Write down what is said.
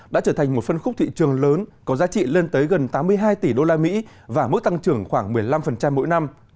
đã trở thành một phân khúc thị trường lớn có giá trị lên tới gần tám mươi hai tỷ usd và mức tăng trưởng khoảng một mươi năm mỗi năm